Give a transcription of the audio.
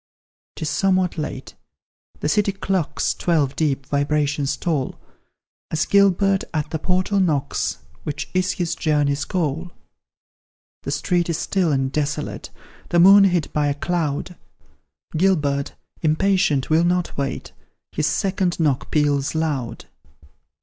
'Tis somewhat late the city clocks Twelve deep vibrations toll, As Gilbert at the portal knocks, Which is his journey's goal. The street is still and desolate, The moon hid by a cloud; Gilbert, impatient, will not wait, His second knock peals loud.